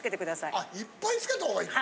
あいっぱいつけた方が良いの？